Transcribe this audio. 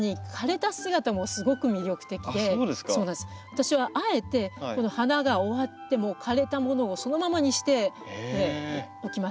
私はあえてこの花が終わっても枯れたものをそのままにしておきます。